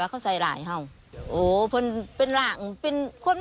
มีคนมาหาก็ซ่อยเหลือคน